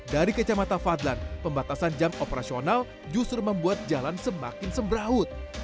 dari kacamata fadlan pembatasan jam operasional justru membuat jalan semakin sembraut